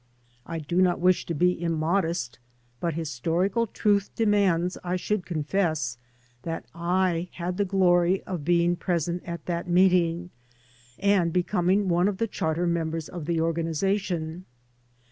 I do not wish to be immodest, but historical truth demands I should confess that I had the glory of being present at that meeting and becoming one of the charter members of the organization.